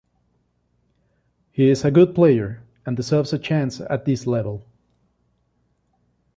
He is a good player and deserves a chance at this level.